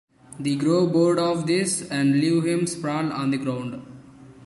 They grow bored of this and leave him sprawled on the ground.